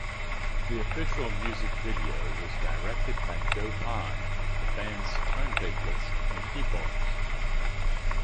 The official music video was directed by Joe Hahn, the band's turntablist and keyboardist.